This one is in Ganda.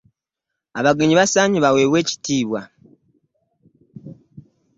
Abagenyi basaanye baweebwe ekitiibwa.